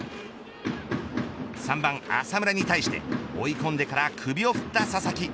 ３番、浅村に対して追い込んでから首を振った佐々木。